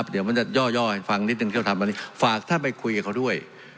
เดี๋ยวมันจะย่อฟังนิดนึงฝากท่านไปคุยกับเขาด้วย